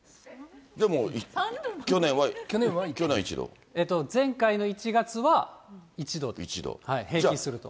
でも去年は、１度？前回の１月は１度、平均すると。